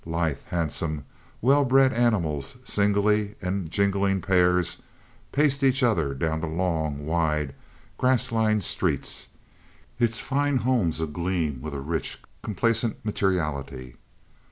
Lithe, handsome, well bred animals, singly and in jingling pairs, paced each other down the long, wide, grass lined street, its fine homes agleam with a rich, complaisant materiality.